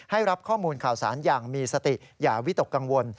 รับข้อมูลข่าวสารอย่างมีสติอย่าวิตกกังวล